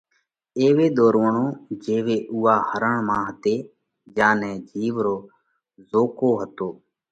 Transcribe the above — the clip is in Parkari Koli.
ايوئِي ۮورووڻ جيوَئي اُوئا هرڻ مانه هتئِي، جيا نئہ جِيوَ رو زوکو هتو۔